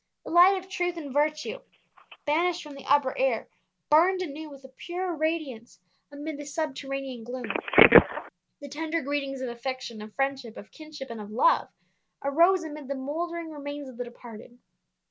The light of truth and virtue, banished from the upper air, burned anew with a purer radiance amid this subterranean gloom. The tender greetings of affection, of friendship, of kinship, and of love, arose amid the mouldering remains of the departed.